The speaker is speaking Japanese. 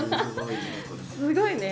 すごいね。